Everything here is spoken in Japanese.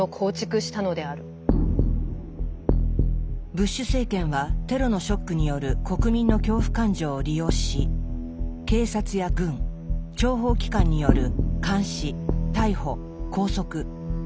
ブッシュ政権はテロのショックによる国民の恐怖感情を利用し警察や軍諜報機関による監視逮捕拘束尋問の権限を強化しました。